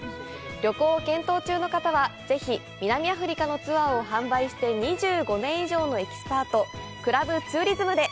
旅行を検討中の方はぜひ南アフリカのツアーを販売して２５年以上のエキスパート「クラブツーリズム」で！